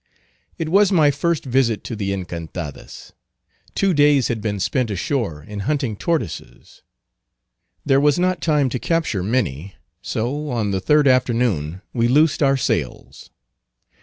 It was my first visit to the Encantadas. Two days had been spent ashore in hunting tortoises. There was not time to capture many; so on the third afternoon we loosed our sails.